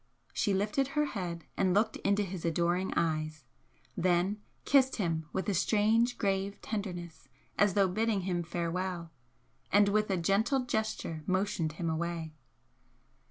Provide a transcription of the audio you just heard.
She lifted her head and looked into his adoring eyes, then kissed him with a strange, grave tenderness as though bidding him farewell, and with a gentle gesture motioned him away.